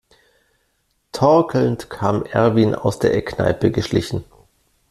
Torkelnd kam Erwin aus der Eckkneipe geschlichen.